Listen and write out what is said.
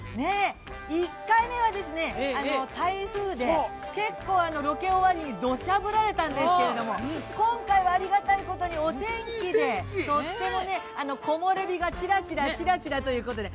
１回目はですね、台風で、結構ロケ終わりにどしゃぶられたんですけれども、今回はありがたいことに、お天気で、とても、木漏れ日が、ちらちらということで。